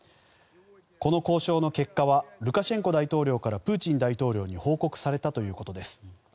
この交渉の結果はルカシェンコ大統領からプーチン大統領に報告されたということです。